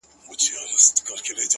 ډېر الله پر زړه باندي دي شـپـه نـه ده،